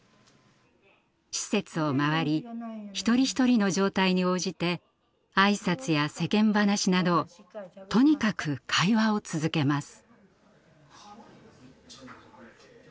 施設を回り一人一人の状態に応じて挨拶や世間話などとにかく会話を続けます。